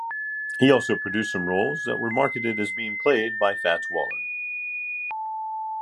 He also produced some rolls that were marketed as being played by Fats Waller.